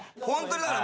本当に。